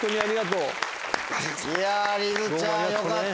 いやりづちゃんよかった。